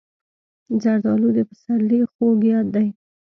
زردالو د پسرلي خوږ یاد دی.